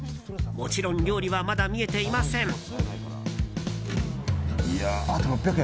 もちろん料理はまだ見えていません。